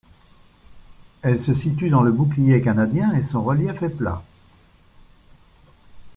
Elle se situe dans le bouclier canadien et son relief est plat.